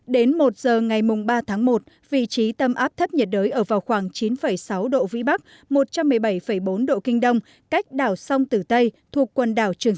đến một giờ ngày ba tháng một vị trí tâm áp thấp nhiệt đới ở vào khoảng chín sáu độ vĩ bắc một trăm một mươi bảy bốn độ kinh đông cách đảo sông tử tây thuộc quần đảo trường